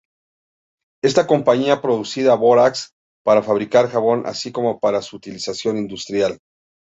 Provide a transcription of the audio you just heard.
Esta compañía producía bórax para fabricar jabón así como para su utilización industrial.